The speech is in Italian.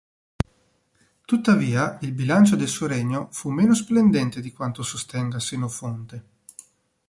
Tuttavia, il bilancio del suo regno fu meno splendente di quanto sostenga Senofonte.